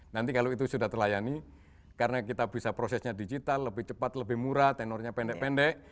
nanti kalau itu sudah terlayani karena kita bisa prosesnya digital lebih cepat lebih murah tenornya pendek pendek